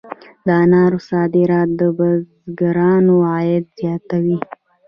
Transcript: د انارو صادرات د بزګرانو عاید زیاتوي.